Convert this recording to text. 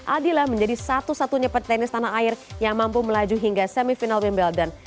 aldila menjadi satu satunya petenis tanah air yang mampu melaju hingga semifinal wimbledon